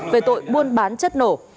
về tội buôn bán chất nổ